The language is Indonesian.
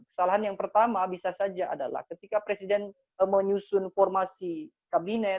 kesalahan yang pertama bisa saja adalah ketika presiden menyusun formasi kabinet